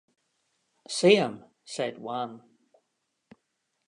'See 'em,' said one.